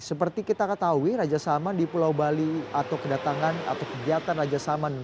seperti kita ketahui raja salman di pulau bali atau kedatangan atau kegiatan raja salman